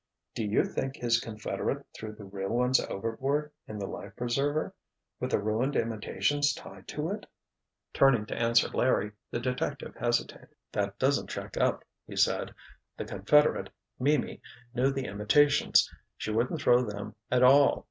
"Do you think his confederate threw the real ones overboard, in the life preserver, with the ruined imitations tied to it?" Turning to answer Larry, the detective hesitated. "That doesn't check up," he said. "The confederate—Mimi—knew the imitations! She wouldn't throw them at all.